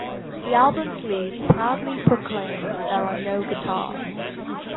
The album sleeve proudly proclaims There are no guitars.